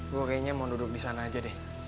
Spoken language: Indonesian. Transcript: gue kayaknya mau duduk di sana aja deh